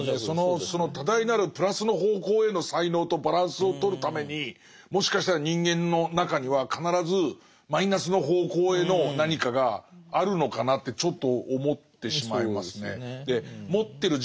その多大なるプラスの方向への才能とバランスをとるためにもしかしたら人間の中には必ずマイナスの方向への何かがあるのかなってちょっと思ってしまいますね。